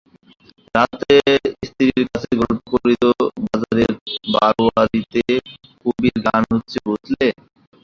রাত্রে স্ত্রীর কাছে গল্প করিত-বাজারের বারোয়ারিতে কবির গান হচ্ছে বুঝলে?